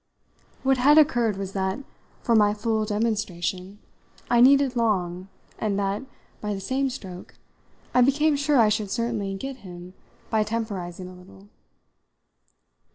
What had occurred was that, for my full demonstration, I needed Long, and that, by the same stroke, I became sure I should certainly get him by temporising a little.